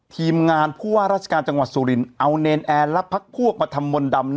ทีมงานผู้ว่าราชการจังหวัดสุรินทเอาเนรนแอร์และพักพวกมาทำมนต์ดำ